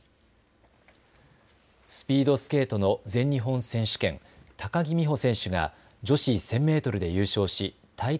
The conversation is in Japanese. スピードスケートの全日本選手権高木美帆選手が女子１０００メートルで優勝し大会